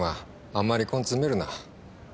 あんまり根詰めるな。